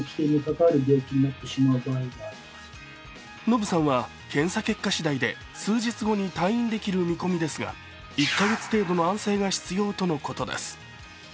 ノブさんは検査結果次第で数日後に退院できる見込みですが、１ヶ月程度の安静が必要とのことです。